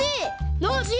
ノージー！